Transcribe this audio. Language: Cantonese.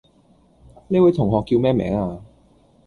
呢位同學叫咩名呀?